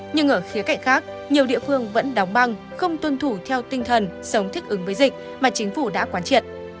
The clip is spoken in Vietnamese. nhưng ở khía cạnh khác nhiều địa phương vẫn đóng băng không tuân thủ theo tinh thần sống thích ứng với dịch mà chính phủ đã quán triệt